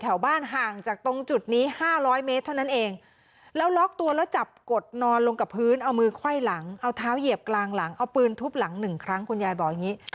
เอาเท้าเหยียบกลางหลังเอาปืนทุบหลังหนึ่งครั้งคุณยายบอกอย่างนี้